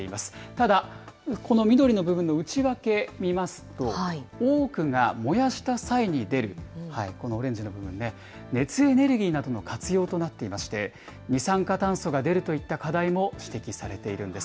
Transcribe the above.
ただ、この緑の部分の内訳見ますと、多くが燃やした際に出る、このオレンジの部分ね、熱エネルギーなどの活用となっていまして、二酸化炭素が出るといった課題も指摘されているんです。